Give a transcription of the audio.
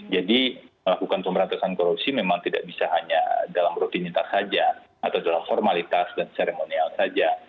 jadi melakukan pemberantasan korupsi memang tidak bisa hanya dalam rutinitas saja atau dalam formalitas dan seremonial saja